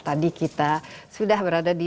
tadi kita sudah berada di